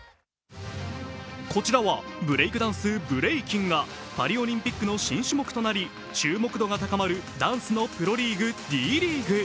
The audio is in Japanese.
こちらはブレークダンス、ブレイキンがパリオリンピックの新種目となり注目度が高まるダンスのプロリーグ、Ｄリーグ。